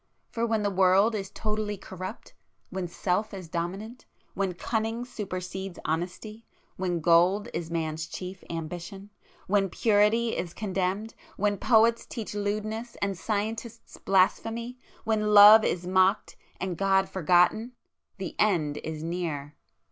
——for when the world is totally corrupt,—when Self is dominant,—when cunning supersedes honesty,—when gold is man's chief ambition,—when purity is condemned,—when poets teach lewdness, and scientists blasphemy,—when love is mocked, and God forgotten,—the End is near!